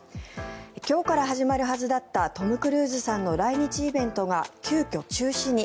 今日から始まるはずだったトム・クルーズさんの来日イベントが急きょ中止に。